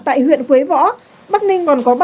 tại huyện quế võ bắc ninh còn có